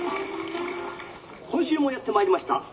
「今週もやってまいりました。